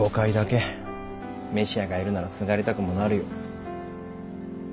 メシアがいるならすがりたくもなるよ。